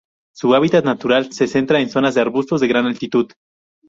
Su hábitat natural se centra en zonas de arbustos a gran altitud.